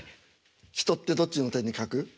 「人」ってどっちの手に書く？